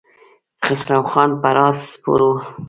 خسرو خان پر آس سپور و.